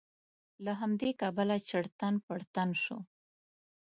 له همدې کبله چړتن پړتن شو.